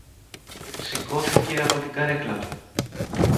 Σηκώθηκε από την καρέκλα του